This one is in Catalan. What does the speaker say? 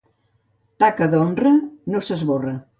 Taca d'honra no s'esborra.